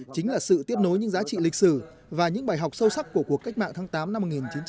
chính là sự tiếp nối những giá trị lịch sử và những bài học sâu sắc của cuộc cách mạng tháng tám năm một nghìn chín trăm bốn mươi năm